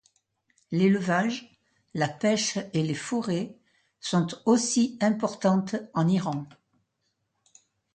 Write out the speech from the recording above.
L'élevage, la pêche et les forêts sont aussi importantes en Iran.